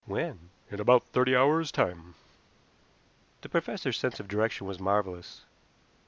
"When?" "In about thirty hours' time." The professor's sense of direction was marvelous.